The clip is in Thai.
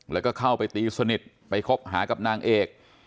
แล้วก็เข้าไปตีสนิทไปคบหากับนางเอก